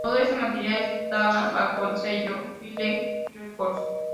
Todo este material estaba bajo el sello Fire Records.